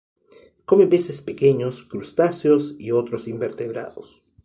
Come peces pequeños, crustáceos y otros invertebrados.